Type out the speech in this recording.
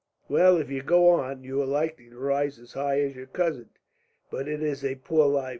Well, if you go on, you are likely to rise as high as your cousin. But it is a poor life.